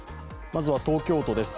まずは東京都です